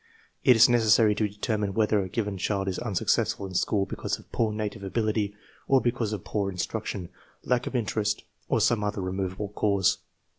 It is necessary to determine whether a given child is unsuccessful in school because of poor native ability, or because of poor instruction, lack of interest, or some other removable cause.